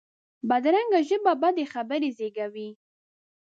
بدرنګه ژبه بدې خبرې زېږوي